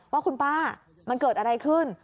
ว่าคุณป้ามันเกิดอะไรขึ้น